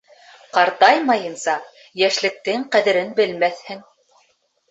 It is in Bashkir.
Ҡартаймайынса йәшлектең ҡәҙерен белмәҫһең.